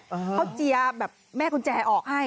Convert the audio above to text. เขาเจียร์แบบแม่กุญแจออกให้